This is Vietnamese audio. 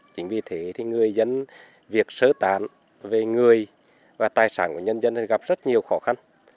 chính vì thế thì người dân việc sơ tán về người và tài sản của nhân dân gặp rất nhiều khó khăn